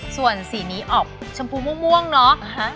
ส่วนสีนี้ออกชมพูม่วงเนาะ